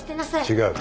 違う。